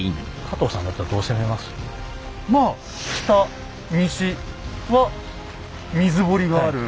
まあ北西は水堀がある。